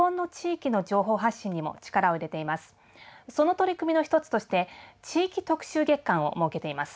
その取り組みの一つとして「地域特集月間」を設けています。